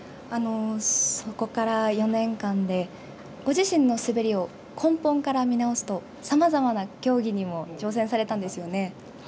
そこから４年間で、ご自身の滑りを根本から見直すと、さまざまな競技にも挑戦されたんですよね。